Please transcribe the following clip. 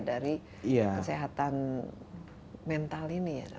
dari kesehatan mental ini ya